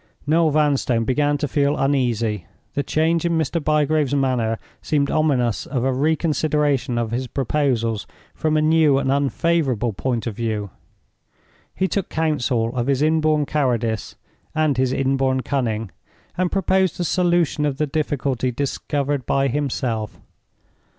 Noel Vanstone began to feel uneasy. The change in Mr. Bygrave's manner seemed ominous of a reconsideration of his proposals from a new and unfavorable point of view. He took counsel of his inborn cowardice and his inborn cunning, and proposed a solution of the difficulty discovered by himself.